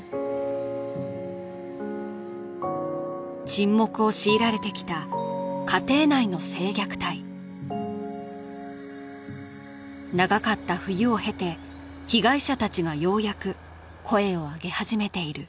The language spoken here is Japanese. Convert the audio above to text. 沈黙を強いられてきた家庭内の性虐待長かった冬をへて被害者達がようやく声をあげ始めている